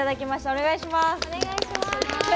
お願いします。